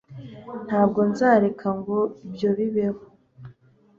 Ntabwo nzareka ngo ibyo bibeho